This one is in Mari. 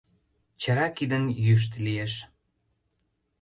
— Чара кидын йӱштӧ лиеш.